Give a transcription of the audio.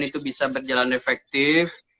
itu bisa berjalan efektif